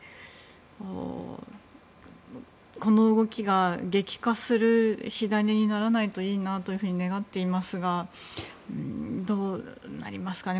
この動きが激化する火種にならないといいなと願っていますがどうなりますかね。